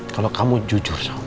kalau kamu jujur sama papa